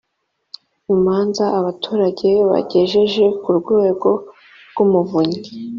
imanza abaturage bagejeje ku urwego rw’umuvunyi